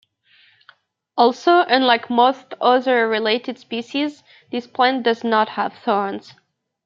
Also, unlike most other related species this plant does not have thorns.